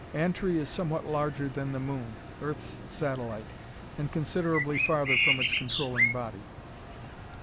Antri is somewhat larger than the moon, Earth's satellite, and considerably farther from its controlling body.